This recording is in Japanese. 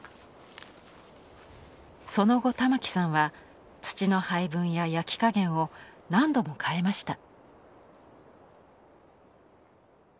その後玉城さんは土の配分や焼き加減を何度も変えました。